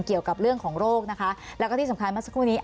เกี่ยวกับเรื่องของโรคนะคะแล้วก็ที่สำคัญเมื่อสักครู่นี้